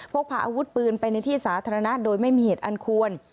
พกพาอาวุธปืนไปในที่สาธารณะโดยไม่มีเหตุอันควร